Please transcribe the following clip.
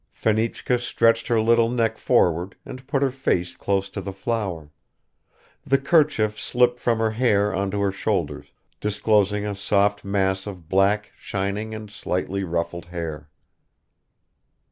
Fenichka stretched her little neck forward and put her face close to the flower, ... The kerchief slipped from her hair on to her shoulders, disclosing a soft mass of black shining and slightly ruffled hair.